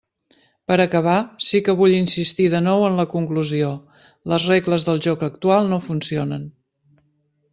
Per acabar, sí que vull insistir de nou en la conclusió: les regles del joc actual no funcionen.